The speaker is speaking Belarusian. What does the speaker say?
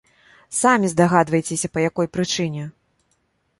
Самі здагадваецеся, па якой прычыне!!!